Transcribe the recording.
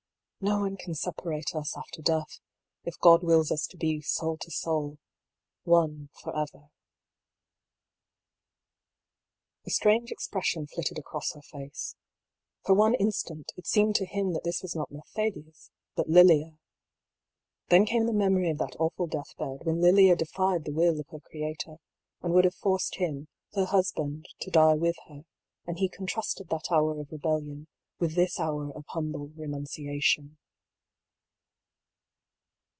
^^ No one can separate us after death, if God wills us to be soul to soul — one for ever." A strange expression flitted across her face. For one instant it seemed to him that this was not Mercedes, but Lilia. Then came the memory of that awful deathbed, when Lilia defied the will of her Creator, and would have forced him, her husband, to die with her, and he contrasted that hour of rebellion with this hour of humble renunciation.